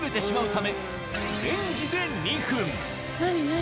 何？